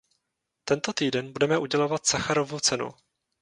Tento týden budeme udělovat Sacharovu cenu.